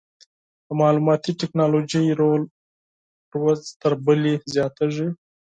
د معلوماتي ټکنالوژۍ رول ورځ تر بلې زیاتېږي.